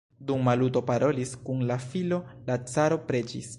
Dum Maluto parolis kun la filo, la caro preĝis.